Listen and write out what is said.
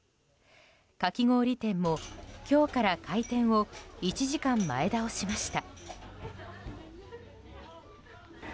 かき氷店も、今日から開店を１時間前倒しました。